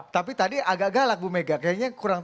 tapi tadi agak galak bu mega kayaknya kurang